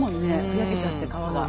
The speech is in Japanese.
ふやけちゃって皮が。